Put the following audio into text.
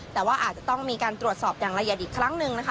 แต่ว่าอาจจะต้องมีการตรวจสอบอย่างละเอียดอีกครั้งหนึ่งนะคะ